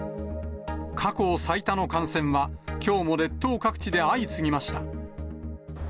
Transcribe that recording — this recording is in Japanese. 過去最多の感染は、きょうも列島各地で相次ぎました。